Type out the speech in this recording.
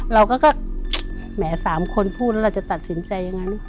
เราก็แหม๓คนพูดแล้วเราจะตัดสินใจอย่างนั้น